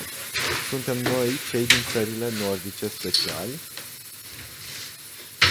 Suntem noi cei din țările nordice speciali?